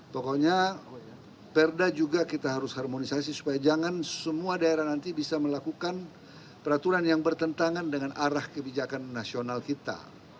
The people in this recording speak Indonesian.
pokoknya perda juga kita harus harmonisasi supaya jangan semua daerah nanti bisa melakukan peraturan yang bertentangan dengan arah kebijakan nasional kita